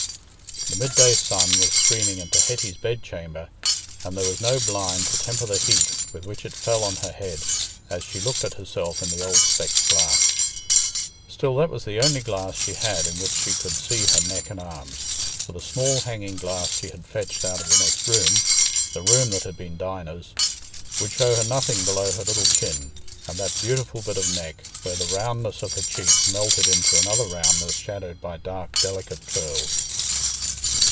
The midday sun was streaming into Hetty's bedchamber, and there was no blind to temper the heat with which it fell on her head as she looked at herself in the old specked glass. Still, that was the only glass she had in which she could see her neck and arms, for the small hanging glass she had fetched out of the next room—the room that had been Dinah's—would show her nothing below her little chin; and that beautiful bit of neck where the roundness of her cheek melted into another roundness shadowed by dark delicate curls.